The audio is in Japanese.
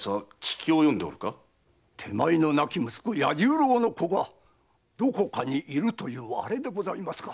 手前の亡き息子・弥十郎の子がどこかにいるというあれでございますか？